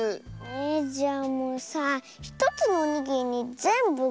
えじゃあもうさ１つのおにぎりにぜんぶ